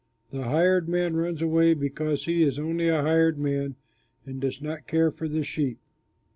The hired man runs away because he is only a hired man and does not care for the sheep.